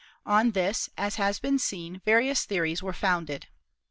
On this, as has been seen, various theories were founded.